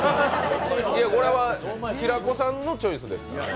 いや、これは平子さんのチョイスですから。